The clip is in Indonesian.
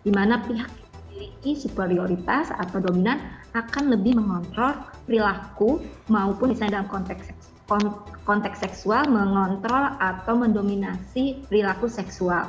di mana pihak yang memiliki superioritas atau dominan akan lebih mengontrol perilaku maupun misalnya dalam konteks seksual mengontrol atau mendominasi perilaku seksual